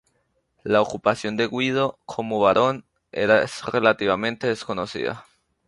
La ocupación de Guido como barón es relativamente desconocida.